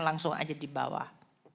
langsung saja di bawah